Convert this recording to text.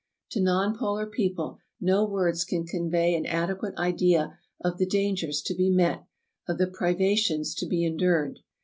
To non polar people no words can convey an adequate idea of the dangers to be met, of the privations to be endured.